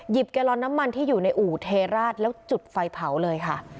แกลลอนน้ำมันที่อยู่ในอู่เทราชแล้วจุดไฟเผาเลยค่ะ